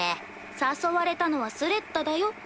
誘われたのはスレッタだよ。